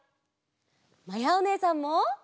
まやおねえさんも！